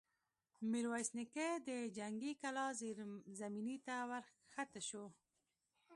ميرويس نيکه د جنګي کلا زېرزميني ته ور کښه شو.